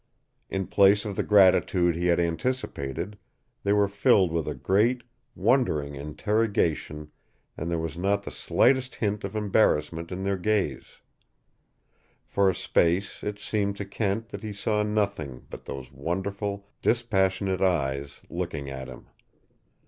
In place of the gratitude he had anticipated, they were filled with a great, wondering interrogation, and there was not the slightest hint of embarrassment in their gaze. For a space it seemed to Kent that he saw nothing but those wonderful, dispassionate eyes looking at him.